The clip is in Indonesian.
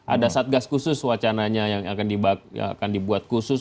ada satgas khusus wacananya yang akan dibuat khusus